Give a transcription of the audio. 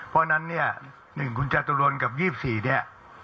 เพราะฉะนั้น๑คุณจรวรกับ๒๔วีบ๔เนี่ย